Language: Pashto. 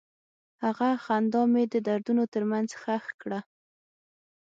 هغه خندا مې د دردونو تر منځ ښخ کړه.